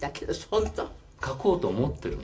書こうと思ってるの。